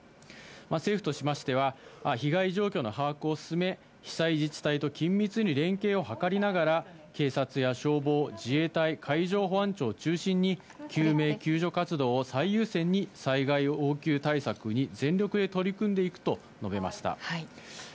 政府としましては被害状況の把握を進め被災自治体と緊密に連携を図りながら警察や消防、自衛隊海上保安庁を中心に救命・救助活動を最優先に災害・応急対策に全力で取り組んでいくと述べました。